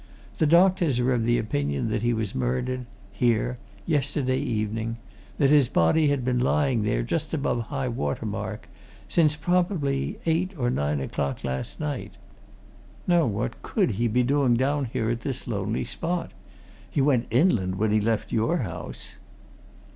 The doctors are of the opinion that he was murdered here yesterday evening: that his body had been lying here, just above high water mark, since, probably, eight or nine o'clock last night. Now, what could he be doing down at this lonely spot? He went inland when he left your house."